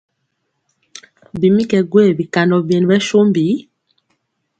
Bi mi kɛ gwee bikandɔ byen ɓɛ sombi?